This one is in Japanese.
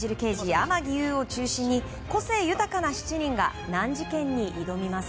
天樹悠を中心に個性豊かな７人が難事件に挑みます。